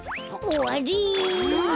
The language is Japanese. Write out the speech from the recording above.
おわり！